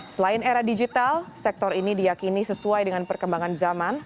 selain era digital sektor ini diakini sesuai dengan perkembangan zaman